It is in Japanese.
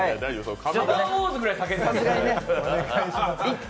「サマーウォーズ」ぐらい叫んでた。